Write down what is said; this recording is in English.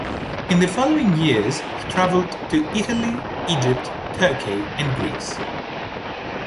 In the following years he travelled to Italy, Egypt, Turkey and Greece.